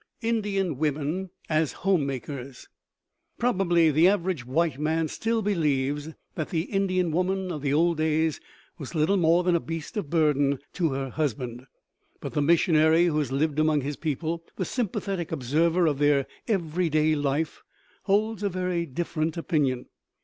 INDIAN WOMEN AS HOME MAKERS Probably the average white man still believes that the Indian woman of the old days was little more than a beast of burden to her husband. But the missionary who has lived among his people, the sympathetic observer of their every day life, holds a very different opinion.